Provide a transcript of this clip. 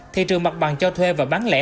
thị trường mặt bằng cho thuê và bán lẻ